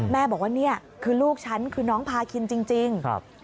บอกว่านี่คือลูกฉันคือน้องพาคินจริง